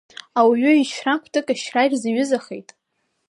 Ауаҩы ишьра кәтык ашьра ирзаҩызахеит.